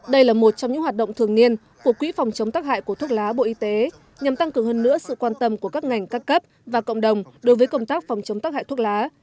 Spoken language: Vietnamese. đây là một trong những hoạt động thường niên của quỹ phòng chống tắc hại của thuốc lá bộ y tế nhằm tăng cường hơn nữa sự quan tâm của các ngành các cấp và cộng đồng đối với công tác phòng chống tắc hại thuốc lá